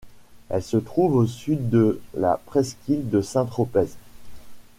Elle se trouve au sud de la presqu'île de Saint-Tropez.